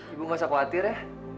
ibu gak usah khawatir ya